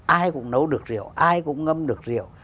ai cũng nấu được rượu ai cũng ngâm được rượu